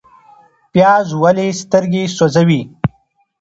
پیاز ولې سترګې سوځوي؟